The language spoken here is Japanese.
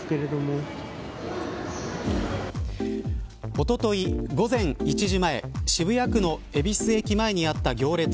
おととい午前１時前渋谷区の恵比寿駅前にあった行列。